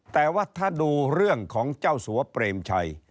แต่ว่าถ้าดูเรื่องของเจ้าสัวเปรมชัย